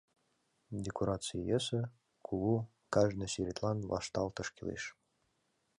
Декораций йӧсӧ, кугу, кажне сӱретлан вашталтыш кӱлеш.